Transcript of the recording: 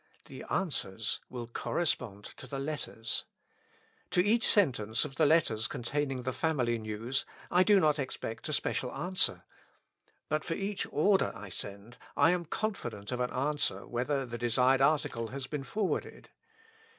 The answers will correspond to the letters. To each sentence of the letters containing the family news I do not ex pect a special answer. But for each order I send I am confident of an answer whether the desired article has been forwarded.